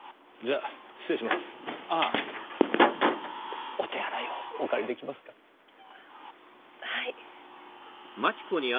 ああお手洗いをお借り出来ますか？はい。